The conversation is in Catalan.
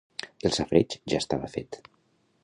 El safareig ja estava fet